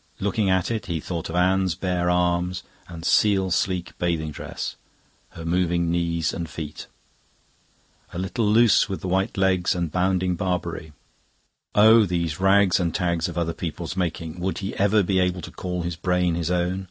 Looking at it, he thought of Anne's bare arms and seal sleek bathing dress, her moving knees and feet. "And little Luce with the white legs, And bouncing Barbary..." Oh, these rags and tags of other people's making! Would he ever be able to call his brain his own?